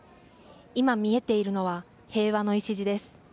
今見えているのは、平和の礎です。